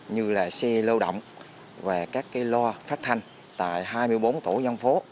như là xe lâu động và các cái loa phát thanh tại hai mươi bốn tổ dân phố